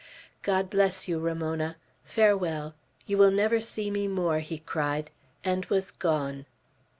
"God bless you, Ramona! Farewell! You will never see me more," he cried, and was gone.